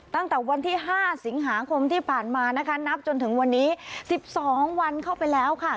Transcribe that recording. ตั้งแต่วันที่๕สิงหาคมที่ผ่านมานะคะนับจนถึงวันนี้๑๒วันเข้าไปแล้วค่ะ